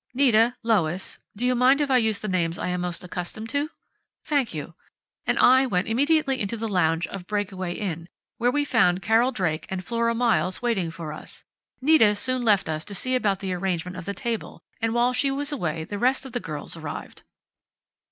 Nita, Lois do you mind if I use the names I am most accustomed to?... Thank you! and I went immediately into the lounge of Breakaway Inn, where we found Carolyn Drake and Flora Miles waiting for us. Nita soon left us to see about the arrangement of the table, and while she was away the rest of the girls arrived."